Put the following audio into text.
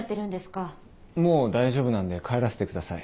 もう大丈夫なんで帰らせてください。